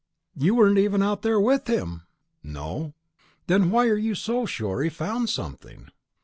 "You weren't even out there with him!" "No." "Then why are you so sure he found something?"